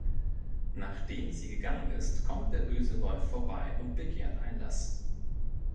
Nachdem sie gegangen ist, kommt der böse Wolf vorbei und begehrt Einlass.